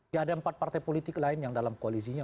ya ada empat partai politik lain yang dalam koalisinya